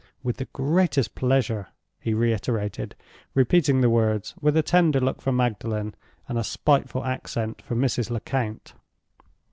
With the greatest pleasure," he reiterated, repeating the words with a tender look for Magdalen, and a spiteful accent for Mrs. Lecount.